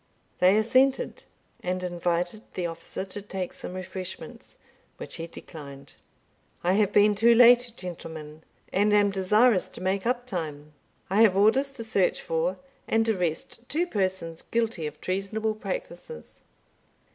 They assented, and invited the officer to take some refreshments, which he declined. "I have been too late, gentlemen, and am desirous to make up time. I have orders to search for and arrest two persons guilty of treasonable practices."